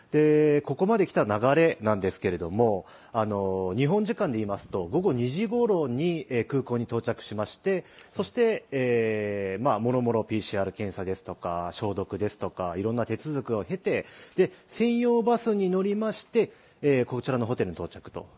ここまで来た流れなんですけど、日本時間で午後２時ごろに空港に到着しまして、もろもろＰＣＲ検査ですとか消毒ですとかいろんな手続きを経て、専用バスに乗りましてこちらのホテルに到着と。